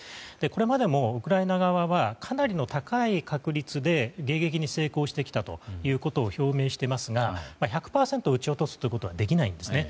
これまでもウクライナ側はかなりの高い確率で迎撃に成功してきたということを表明していますが１００％撃ち落とすことはできないんですね。